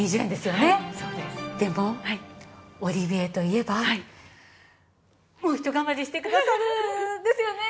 でもオリビエといえばもうひと頑張りしてくださるですよね？